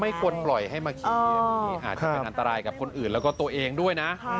ควรปล่อยให้มาขี่อย่างนี้อาจจะเป็นอันตรายกับคนอื่นแล้วก็ตัวเองด้วยนะ